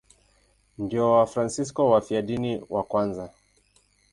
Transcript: Ndio Wafransisko wafiadini wa kwanza.